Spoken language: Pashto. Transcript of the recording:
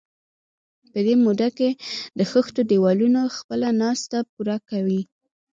په دې موده کې د خښتو دېوالونه خپله ناسته پوره کوي.